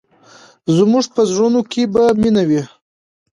زموږ په زړونو کې به مینه وي.